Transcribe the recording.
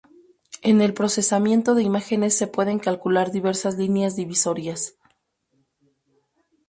En el procesamiento de imágenes se pueden calcular diversas líneas divisorias.